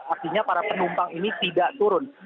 artinya para penumpang ini tidak turun